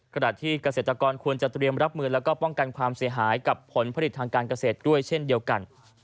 ขณะที่เกษตรกรควรจะเตรียมรับมือแล้วก็ป้องกันความเสียหายกับผลผลิตทางการเกษตรด้วยเช่นเดียวกัน